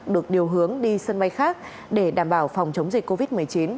được điều hướng đi sân bay khác để đảm bảo phòng chống dịch covid một mươi chín